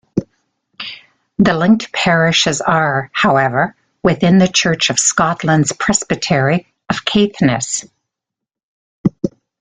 The linked parishes are, however, within the Church of Scotland's Presbytery of Caithness.